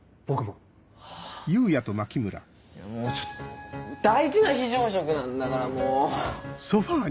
もう大事な非常食なんだからもう！